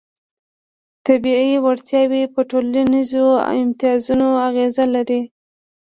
طبیعي وړتیاوې په ټولنیزو امتیازونو اغېز لري.